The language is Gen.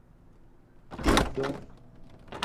Te do.